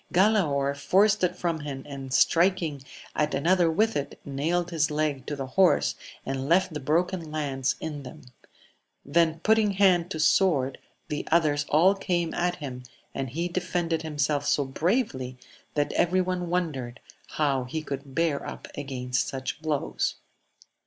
Galaor forced it from him, and striking at another with it, nailed his leg to the horse, and left the broken lance in them ; then putting hand to sword, the others all came at him, and he defended himself so bravely that every one wondered how he could bear up against such blows.